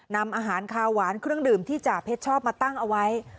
นำอาหารคาวหวานเครื่องดื่มที่จ่าเพชรชอบมาตั้งเอาไว้